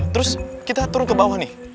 terus kita turun ke bawah nih